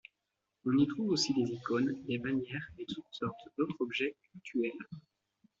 On y trouve aussi des icônes, des bannières et toutes sortes d'autres objets cultuels.